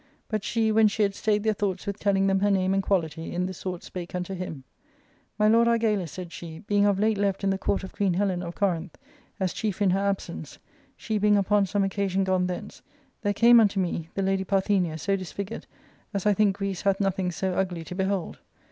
But she, when she had staid their thoughts with telling them her name and quality, in this sort spake unto him: " My lord Argalus," said she, "being of late left in the court of Queen Helen of Corinth, as chief in her absence, she being upon some occasion gone thence, there came unto me the Ta^y Parthpnia^ so disfigured, as I think Greece hath nothing so ugly to behold.